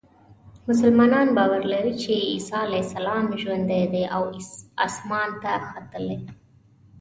مسلمانان باور لري چې عیسی علیه السلام ژوندی دی او اسمان ته ختلی.